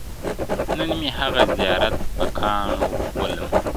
• نن مي هغه زیارت په کاڼو ولم -